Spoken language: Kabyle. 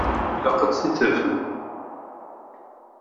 Ilaq ad t-id-tafem.